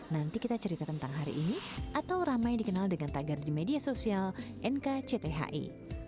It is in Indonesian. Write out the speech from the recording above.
nanti kita cerita tentang hari ini atau ramai dikenal dengan tagar di media sosial nkcthi